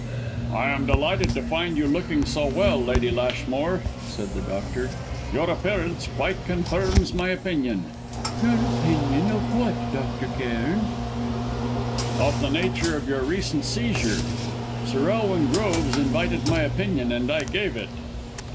"I am delighted to find you looking so well, Lady Lashmore," said the doctor. "Your appearance quite confirms my opinion." "Your opinion of what, Dr. Cairn?" "Of the nature of your recent seizure. Sir Elwin Groves invited my opinion and I gave it."